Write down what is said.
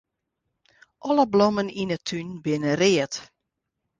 Alle blommen yn 'e tún binne read.